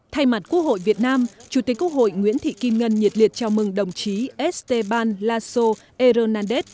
thay mặt quốc hội việt nam chủ tịch quốc hội nguyễn thị kim ngân nhiệt liệt chào mừng đồng chí esteban lasso hernández